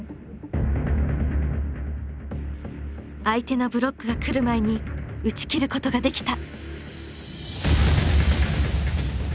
相手のブロックが来る前に打ちきることができた。